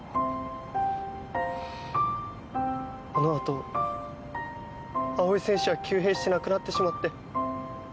あの後青井選手は急変して亡くなってしまって。